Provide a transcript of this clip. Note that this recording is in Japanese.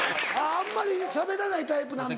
あんまりしゃべらないタイプなんだ。